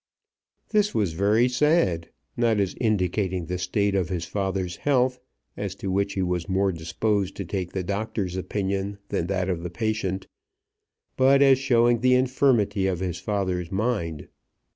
This was very sad, not as indicating the state of his father's health, as to which he was more disposed to take the doctor's opinion than that of the patient, but as showing the infirmity of his father's mind.